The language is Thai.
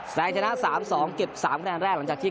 แสงชนะสามสองเก็บสามแนวแรกหลังจากที่